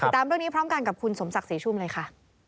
ตามเรื่องนี้พร้อมกันกับคุณสมศักดิ์ศรีชุ่มเลยค่ะ